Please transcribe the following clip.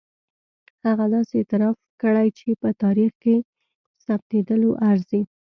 هغه داسې اعتراف کړی چې په تاریخ کې ثبتېدلو ارزي.